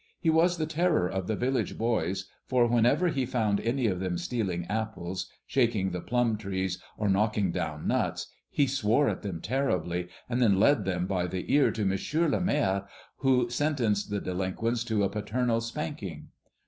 He was the terror of the village boys, for whenever he found any of them stealing apples, shaking the plum trees, or knocking down nuts, he swore at them terribly, and then led them by the ear to Monsieur le Maire, who sentenced the delinquents to a paternal spanking.